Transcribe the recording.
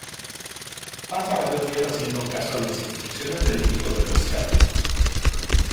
Pasa varios días haciendo caso a las instrucciones del equipo del rescate.